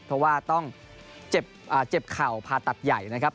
เพราะว่าต้องเจ็บเข่าผ่าตัดใหญ่นะครับ